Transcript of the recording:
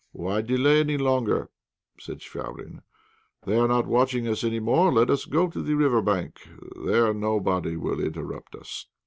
"Why delay any longer?" said Chvabrine. "They are not watching us any more. Let us go to the river bank; there nobody will interrupt us."